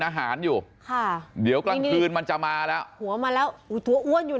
อาหารอยู่ค่ะเดี๋ยวกลางคืนมันจะมาแล้วหัวมาแล้วอุ้ยตัวอ้วนอยู่